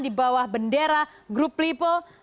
di bawah bendera grup lipo